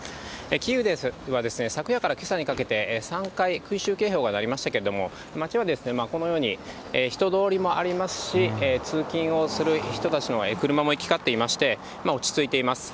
キーウでは、昨夜からけさにかけて３回、空襲警報が鳴りましたけれども、街はこのように人通りもありますし、通勤をする人たちの車も行きかっていまして、落ち着いています。